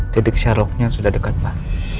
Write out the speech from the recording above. titik syaroknya sudah dekat pak